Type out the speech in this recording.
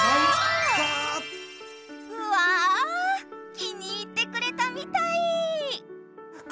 うわ気に入ってくれたみたい！